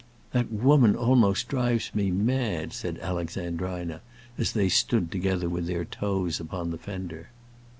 "That woman almost drives me mad," said Alexandrina, as they stood together with their toes upon the fender.